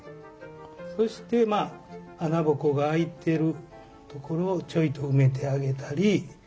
そしてまあ穴ぼこが開いてるところをちょいと埋めてあげたり。